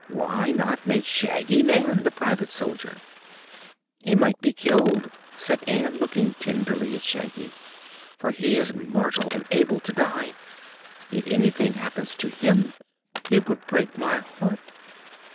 Why not make Shaggy Man the private soldier?" "He might be killed," said Ann, looking tenderly at Shaggy, "for he is mortal, and able to die. If anything happened to him, it would break my heart."